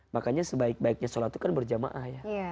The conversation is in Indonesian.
makanya sebaik baiknya sholat itu kan berjamaah ya